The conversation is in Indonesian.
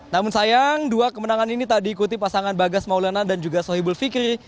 namun sayang dua kemenangan ini tak diikuti pasangan bagas maulana dan juga sohibul fikri